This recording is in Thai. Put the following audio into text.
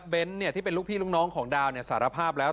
เบนท์เนี่ยที่เป็นลูกพี่น้องของดาวสารภาพแล้ว